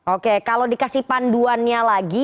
oke kalau dikasih panduannya lagi